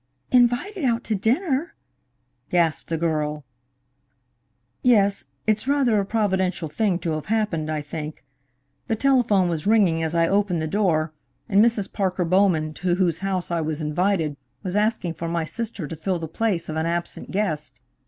"Invited out to dinner!" gasped the girl. "Yes. It's rather a providential thing to have happened, I think. The telephone was ringing as I opened the door, and Mrs. Parker Bowman, to whose house I was invited, was asking for my sister to fill the place of an absent guest.